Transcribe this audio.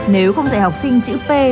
nếu không dạy học sinh chữ p và q